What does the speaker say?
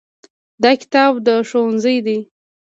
دا کتاب د ښوونځي دی.